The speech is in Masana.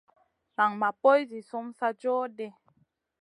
Nan ma poy zi sumun sa joh ɗi.